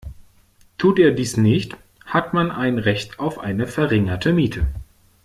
Tut er dies nicht, hat man ein Recht auf eine verringerte Miete.